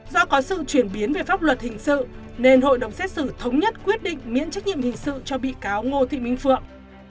do có sự chuyển biến về pháp luật hình sự nên hội đồng xét xử thống nhất quyết định miễn trách nhiệm hình sự cho bị cáo ngô thị minh phượng